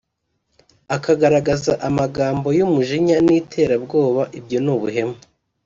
akagaragaza amagambo y’umujinya n’iterabwoba ibyo ni ubuhemu